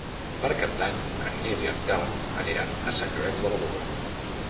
Per Cap d'Any en Nil i en Telm aniran a Sant Llorenç de la Muga.